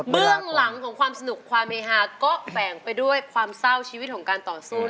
หลังของความสนุกความเฮฮาก็แฝงไปด้วยความเศร้าชีวิตของการต่อสู้